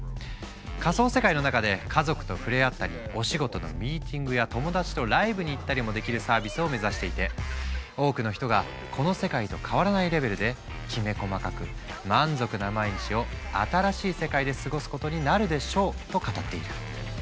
仮想世界の中で家族と触れ合ったりお仕事のミーティングや友達とライブに行ったりもできるサービスを目指していて多くの人がこの世界と変わらないレベルできめ細かく満足な毎日を新しい世界で過ごすことになるでしょうと語っている。